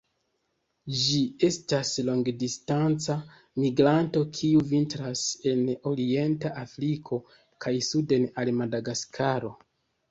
Ĝi estas longdistanca migranto, kiu vintras en orienta Afriko kaj suden al Madagaskaro.